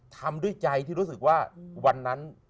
ทำด้วยใจที่รู้สึกว่าวันนั้น